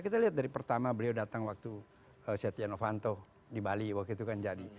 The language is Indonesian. kita lihat dari pertama beliau datang waktu setia novanto di bali waktu itu kan jadi